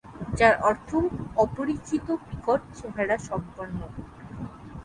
যার অর্থ অপরিচিত বিকট চেহারাসম্পন্ন।